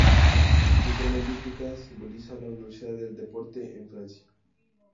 Su forma elíptica simboliza la universalidad del deporte en Francia.